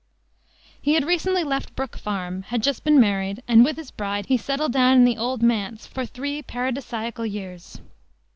He had recently left Brook Farm, had just been married, and with his bride he settled down in the "Old Manse" for three paradisaical years.